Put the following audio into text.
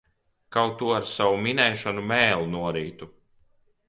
Kaut tu ar savu minēšanu mēli norītu!